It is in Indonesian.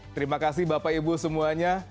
terima kasih bapak ibu semuanya